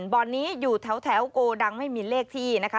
บ่อนนี้อยู่แถวโกดังไม่มีเลขที่นะคะ